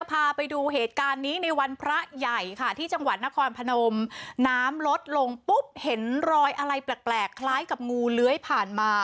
พาไปดูเหตุการณ์นี้ในวันพระใหญ่ค่ะที่จังหวัดนครพนมน้ำลดลงปุ๊บเห็นรอยอะไรแปลกคล้ายกับงูเลื้อยผ่านมา